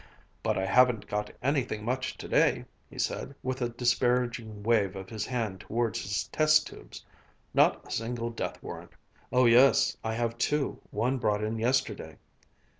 "... but I haven't got anything much today," he said, with a disparaging wave of his hand towards his test tubes. "Not a single death warrant. Oh yes, I have too, one brought in yesterday."